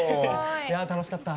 いや楽しかった！